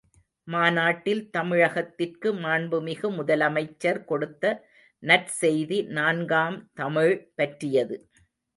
மாநாட்டில் தமிழகத்திற்கு மாண்புமிகு முதலமைச்சர் கொடுத்த நற்செய்தி நான்காம் தமிழ் பற்றியது.